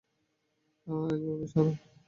আহ্, এগুলোকে সরাও!